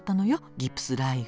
ギプスライフ。